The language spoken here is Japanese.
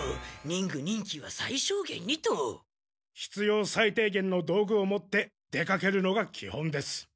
忍具忍器は最小限にと。必要最低限の道具を持って出かけるのがきほんです。